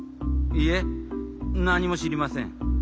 いえなにもしりません。